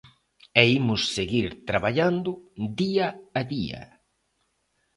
E imos seguir traballando día a día.